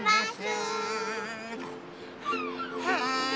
はい！